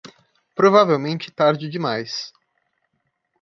Provavelmente tarde demais